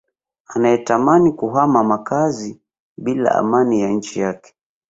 anayetamani kuhama makazi bila amani ya nchi yake